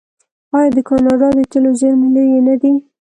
آیا د کاناډا د تیلو زیرمې لویې نه دي؟